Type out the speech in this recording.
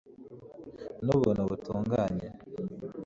nubuntu butunganye